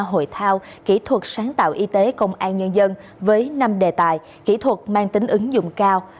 hội thao kỹ thuật sáng tạo y tế công an nhân dân với năm đề tài kỹ thuật mang tính ứng dụng cao